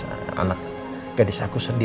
anak anak gadis aku sedih